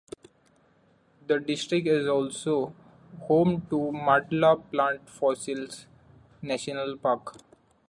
The district is also home to Mandla Plant Fossils National Park.